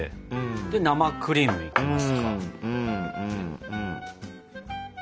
で生クリームいきますか。